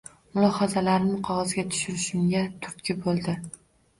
Mulohazalarimni qog’ozga tushirishimga turtki bo’ldi.